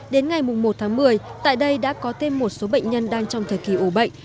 đến ngày một tháng một mươi tại đây đã có thêm một số bệnh nhân đang trong thời kỳ ổ bệnh